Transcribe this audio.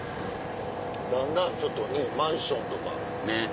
だんだんちょっとねマンションとか。